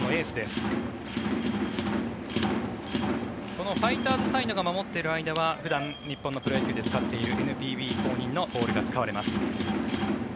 このファイターズサイドが守っている間は普段、日本のプロ野球で使っているＮＰＢ公認のボールが使われます。